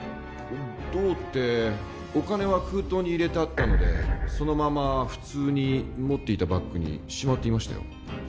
どうってお金は封筒に入れてあったのでそのまま普通に持っていたバッグにしまっていましたよ